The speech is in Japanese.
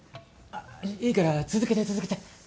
いいから続けて続けて。